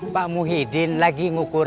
pak muhyiddin lagi ngukur